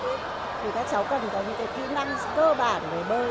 thì các cháu cần có những cái kỹ năng cơ bản về bơi